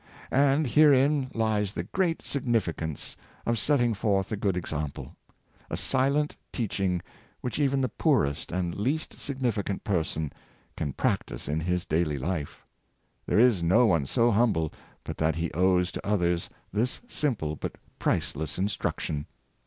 And herein lies the great significance of setting forth a good example — a silent teaching which even the poorest and least signifi cant person can practice in his daily life. There is no one so humble, but that he owes to others this simple but priceless instruction.